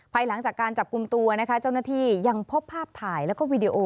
ภายหลังจากการจับกลุ่มตัวเจ้าหน้าที่ยังพบภาพถ่ายและวิดีโอ